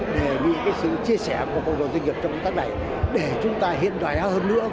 để bị cái sự chia sẻ của cộng đồng doanh nghiệp trong công tác này để chúng ta hiện đại hơn nữa